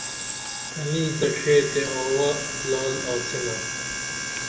تنی دڇھے تے آووہ لعل آڅینا